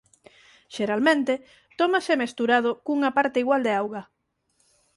Xeralmente tómase mesturado cunha parte igual de auga.